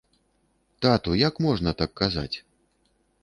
Тату, як можна так казаць.